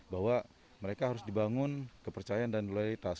bahwa mereka harus dibangun kepercayaan dan loyalitas